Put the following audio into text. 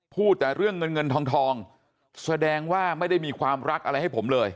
พูดแต่เรื่องเงินเงินทองทองแสดงว่าไม่ได้มีความรักอะไรให้ผมเลย